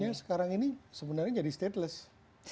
yang sekarang ini sebenarnya jadi stateless